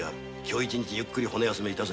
今日一日ゆっくり骨休め致せ。